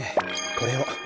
これを。